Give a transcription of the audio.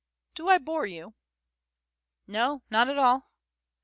Do I bore you?" "No, not at all."